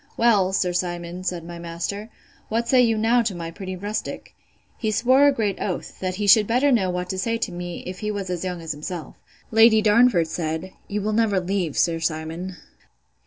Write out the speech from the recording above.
Well, Sir Simon, said my master, what say you now to my pretty rustic?—He swore a great oath, that he should better know what to say to me if he was as young as himself. Lady Darnford said, You will never leave, Sir Simon.